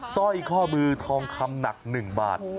สร้อยข้อมือทองคำหนัก๑บาท